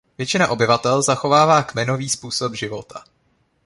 Většina obyvatel zachovává kmenový způsob života.